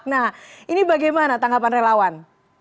nah ini bagaimana tanggapan relawan